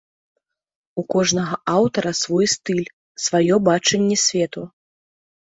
У кожнага аўтара свой стыль, сваё бачанне свету.